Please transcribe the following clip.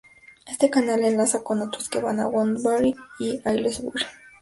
Este canal enlaza con otros que van a Wendover y Aylesbury.